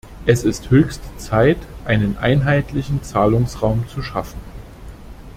Es ist höchste Zeit, einen einheitlichen Zahlungsraum zu schaffen.